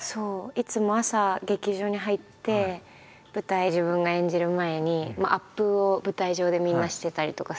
いつも朝劇場に入って舞台自分が演じる前にアップを舞台上でみんなしてたりとかする。